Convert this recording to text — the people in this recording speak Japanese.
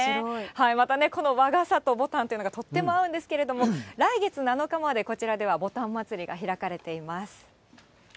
またね、この和傘とぼたんというのがとっても合うんですけども、来月７日までこちらではぼたん祭りが開かれています。